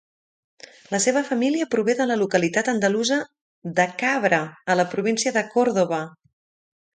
La seva família prové de la localitat andalusa de Cabra, a la província de Còrdova.